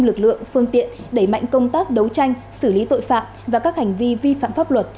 lực lượng phương tiện đẩy mạnh công tác đấu tranh xử lý tội phạm và các hành vi vi phạm pháp luật